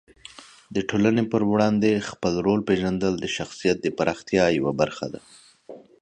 د ټولنې په وړاندې خپل رول پېژندل د شخصیت د پراختیا یوه برخه ده.